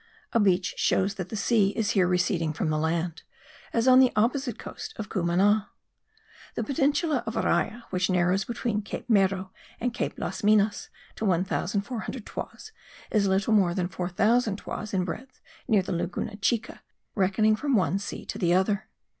A beach shows that the sea is here receding from the land, as on the opposite coast of Cumana. The peninsula of Araya, which narrows between Cape Mero and Cape las Minas to one thousand four hundred toises, is little more than four thousand toises in breadth near the Laguna Chica, reckoning from one sea to the other.